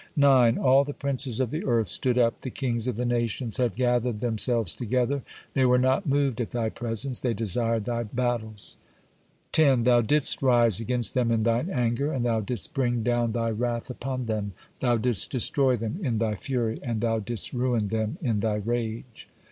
9. All the princes of the earth stood up, the kings of the nations had gathered themselves together, they were not moved at Thy presence, they desired Thy battles. 10. Thou didst rise against them in Thine anger, and Thou didst bring down Thy wrath upon them, Thou didst destroy them in Thy fury, and Thou didst ruin them in Thy rage.